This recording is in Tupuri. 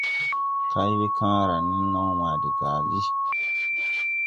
Kay we kããra nen naw ma de gàlí.